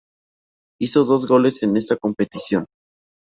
Hizo dos goles en esta competición.